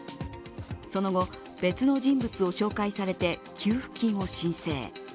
その後、別の人物を紹介されて給付金を申請。